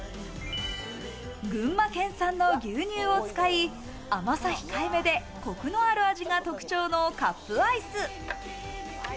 群馬県産の牛乳を使い、甘さ控え目で、コクのある味が特徴のカップアイス。